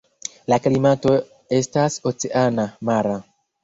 La klimato estas oceana (mara).